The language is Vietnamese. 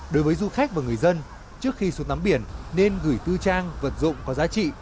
đối với du khách và người dân trước khi xuống tắm biển nên gửi tư trang vật dụng có giá trị